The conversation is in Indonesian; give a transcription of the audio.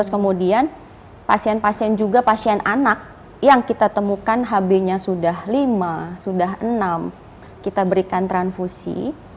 kemudian pasien pasien juga pasien anak yang kita temukan hb nya sudah lima sudah enam kita berikan transfusi